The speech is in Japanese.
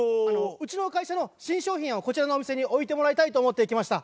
うちの会社の新商品をこちらのお店に置いてもらいたいと思って来ました。